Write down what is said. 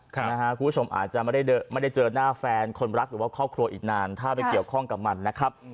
คุณผู้ชมอาจจะไม่ได้เจอหน้าแฟนคนรักหรือว่าครอบครัวอีกนานถ้าไปเกี่ยวข้องกับมันนะครับ